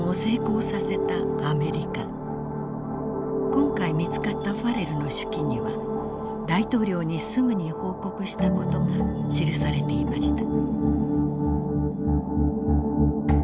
今回見つかったファレルの手記には大統領にすぐに報告したことが記されていました。